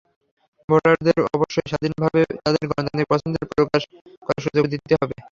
ভোটারদের অবশ্যই স্বাধীনভাবে তাঁদের গণতান্ত্রিক পছন্দ প্রকাশের করার সুযোগ দিতে হবে।